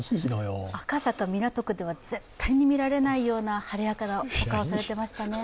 赤坂、港区では絶対に見られないような晴れやかなお顔されていましたね。